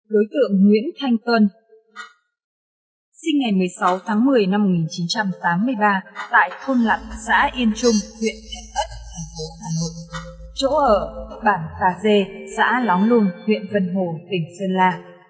đối tượng nguyễn thanh tuân sinh ngày một mươi sáu tháng một mươi năm một nghìn chín trăm tám mươi ba tại thôn lặng xã yên trung huyện văn hồ tỉnh sơn la